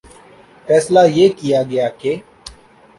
فیصلہ یہ کیا گیا کہ